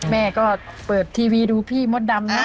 แม่ก็เปิดทีวีดูพี่มดดำนะ